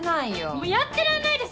もうやってらんないです。